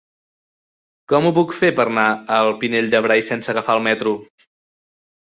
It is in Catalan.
Com ho puc fer per anar al Pinell de Brai sense agafar el metro?